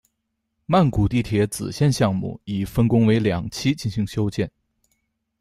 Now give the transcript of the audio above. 曼谷地铁紫线项目已分工为两期进行修建。